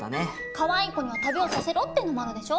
「かわいい子には旅をさせろ」っていうのもあるでしょ？